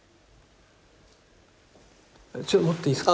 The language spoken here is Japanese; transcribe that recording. ちょっと持っていいですか？